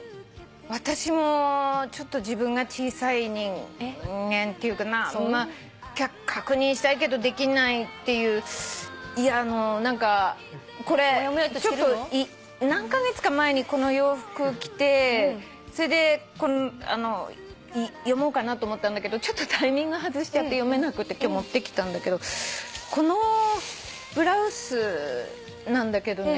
私もちょっと自分が小さい人間っていうか確認したいけどできないっていういや何かこれちょっと何カ月か前にこの洋服着てそれで読もうかなと思ったんだけどタイミング外しちゃって読めなくて今日持ってきたんだけどこのブラウスなんだけどね。